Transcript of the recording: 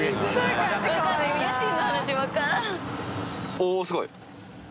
おぉすごい。